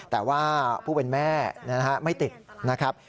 แต่ว่าผู้เป็นแม่ไม่ติดนะครับ